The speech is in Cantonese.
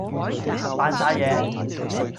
扮曬嘢